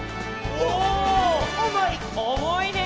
おもいね。